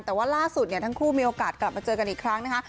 แต่ว่าล่าสุดเนี่ยทั้งคู่มีโอกาสกลับมาเจอกันอีกครั้งนะคะ